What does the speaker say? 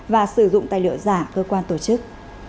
và sử dụng tài liệu giả cơ quan tổ chức